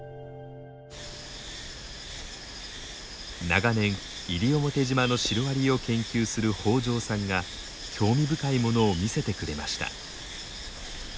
長年西表島のシロアリを研究する北條さんが興味深いものを見せてくれました。